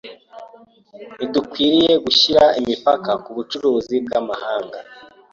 Ntidukwiye gushyira imipaka ku bucuruzi bw’amahanga.